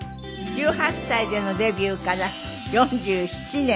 １８歳でのデビューから４７年。